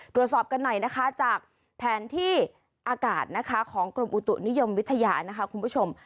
ตรวจสอบกันหน่อยนะคะจากแผนที่อากาศนะคะของกรมอุตุนิยมวิทยานะคะคุณผู้ชม